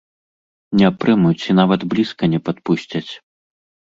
Не прымуць і нават блізка не падпусцяць.